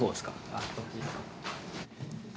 あっそっちっすか。